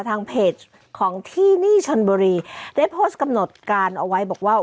ทางเพจของที่นี่ชนบุรีได้โพสต์กำหนดการเอาไว้บอกว่า